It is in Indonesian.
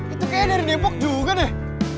itu kayaknya dari depok juga deh